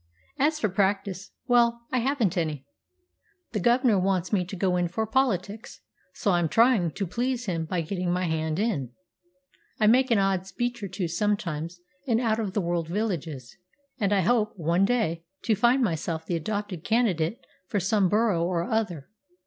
As for practice well, I haven't any. The gov'nor wants me to go in for politics, so I'm trying to please him by getting my hand in. I make an odd speech or two sometimes in out of the world villages, and I hope, one day, to find myself the adopted candidate for some borough or other.